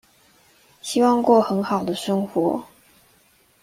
希望過很好的生活